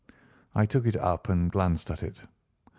I took it up and glanced at it.